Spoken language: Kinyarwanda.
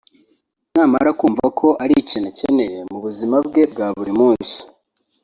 namara kumva ko ari ikintu akeneye mu buzima bwe bwa buri munsi